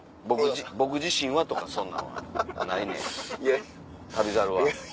「僕自身は」とかそんなんはないねん『旅猿』は。